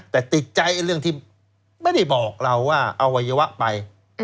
แต่ติดใจเรื่องที่ไม่ได้บอกเราว่าอวัยวะไป